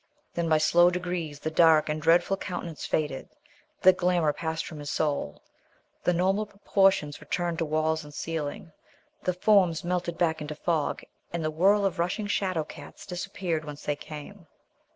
Then, by slow degrees, the dark and dreadful countenance faded, the glamour passed from his soul, the normal proportions returned to walls and ceiling, the forms melted back into the fog, and the whirl of rushing shadow cats disappeared whence they came.